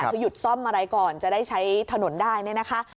คือหยุดซ่อมอะไรก่อนจะได้ใช้ถนนได้เนี่ยนะคะ